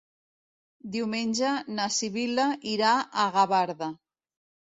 Diumenge na Sibil·la irà a Gavarda.